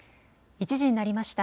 １時になりました。